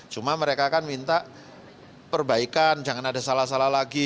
cuma mereka kan minta perbaikan jangan ada salah salah lagi